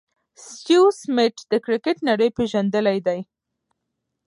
سټیو سميټ د کرکټ نړۍ پېژندلی دئ.